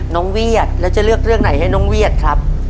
เวียดแล้วจะเลือกเรื่องไหนให้น้องเวียดครับ